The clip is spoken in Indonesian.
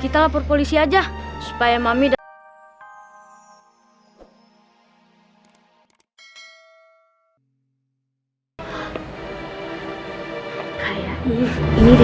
kita buka bareng bareng ya